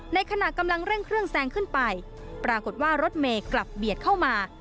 ขณะกำลังเร่งเครื่องแซงขึ้นไปปรากฏว่ารถเมย์กลับเบียดเข้ามา